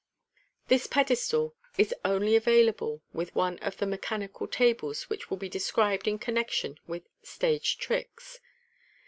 This pedestal is only available with one of the mechanical tables which will be described in connection with "stage tricks."